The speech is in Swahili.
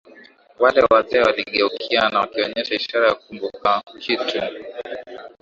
Wale wazee waligeukiana wakionyesha ishara ya kukumbuka kitu